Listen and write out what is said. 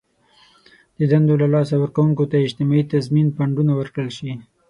د دندو له لاسه ورکوونکو ته اجتماعي تضمین فنډونه ورکړل شي.